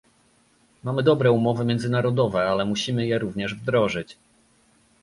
Mamy dobre umowy międzynarodowe, ale musimy je również wdrożyć